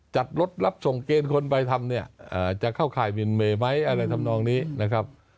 จัดรถรับส่งเกณฑ์คนไปทำเนี่ยจะเข้าข่ายมินเมย์ไหมอะไรทำนองนี้นะครับ